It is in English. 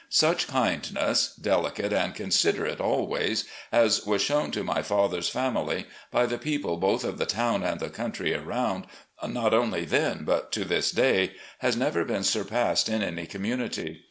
Such kindness — delicate and considerate always — as was shown to my father's family by the people, both of the town and the country around, not only then but to this day, has never been surpassed in any community.